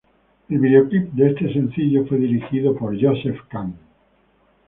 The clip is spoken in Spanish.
El videoclip de este sencillo fue dirigido por Joseph Kahn.